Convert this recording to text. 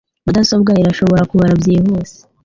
Mudasobwa irashobora kubara byihuse.